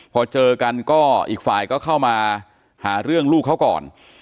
พอเจอกันก็อีกฝ่ายก็เข้ามาหาเรื่องลูกเขาก่อน